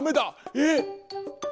えっ？